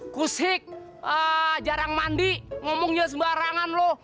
kusik jarang mandi ngomongnya sembarangan loh